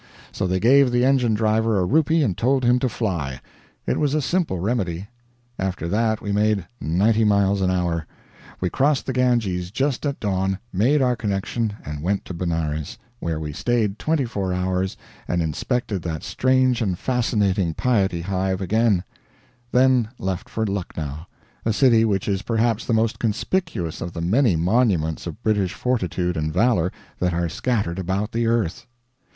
So they gave the engine driver a rupee and told him to fly. It was a simple remedy. After that we made ninety miles an hour. We crossed the Ganges just at dawn, made our connection, and went to Benares, where we stayed twenty four hours and inspected that strange and fascinating piety hive again; then left for Lucknow, a city which is perhaps the most conspicuous of the many monuments of British fortitude and valor that are scattered about the earth.